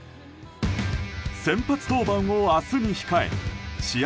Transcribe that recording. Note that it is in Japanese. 先発登板を明日に控え試合